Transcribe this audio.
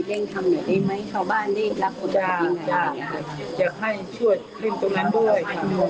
เร่งทำหน่อยได้ไหมเข้าบ้านได้รับคนทำทีไหนอยากให้ช่วยขึ้นตรงนั้นด้วย